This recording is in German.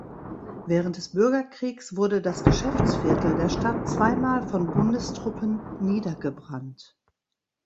Während des Bürgerkriegs wurde das Geschäftsviertel der Stadt zweimal von Bundestruppen niedergebrannt.